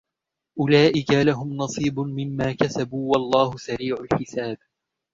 أُولَئِكَ لَهُمْ نَصِيبٌ مِمَّا كَسَبُوا وَاللَّهُ سَرِيعُ الْحِسَابِ